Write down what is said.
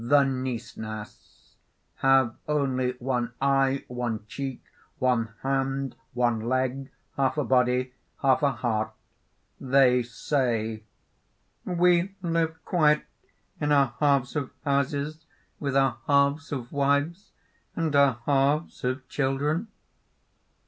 THE NISNAS (have only one eye, one cheek, one hand, one leg, half a body, half a heart. They say): "We live quite in our halves of houses, with our halves of wives and our halves of children!"